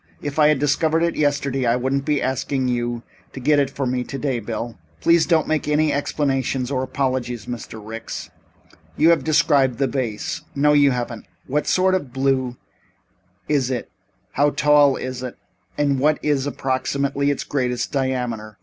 If I had discovered it yesterday I wouldn't be asking you to get it for me today, Bill." "Please do not make any explanations or apologies, Mr. Ricks. You have described the vase no you haven't. What sort of blue is it, how tall is it and what is, approximately, its greatest diameter?